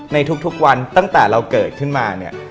ในทุกวันตั้งแต่เราเกิดขึ้นมาเนี่ย